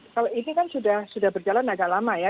kalau ini kan sudah berjalan agak lama ya